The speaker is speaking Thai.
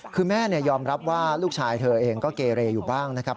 คือแม่ยอมรับว่าลูกชายเธอเองก็เกเรอยู่บ้างนะครับ